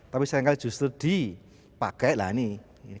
tapi seringkali justru dipakai lah ini